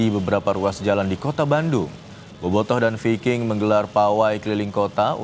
persib menang dengan skor tiga satu